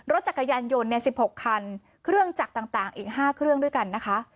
รถจักรยานยนต์ในสิบหกคันเครื่องจักรต่างต่างอีกห้าเครื่องด้วยกันนะคะ